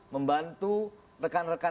membantu rekan rekan mereka